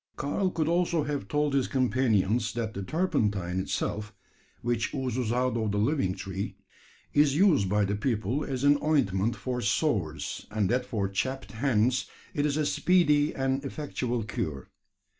Karl could also have told his companions, that the turpentine itself which oozes out of the living tree is used by the people as an ointment for sores and that for chapped hands it is a speedy and effectual cure.